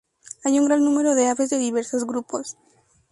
Hay un gran número de aves de diversos grupos.